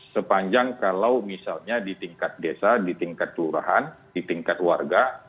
sepanjang kalau misalnya di tingkat desa di tingkat kelurahan di tingkat warga